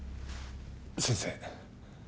先生。